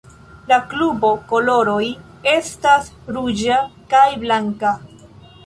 La klubo koloroj estas ruĝa kaj blanka.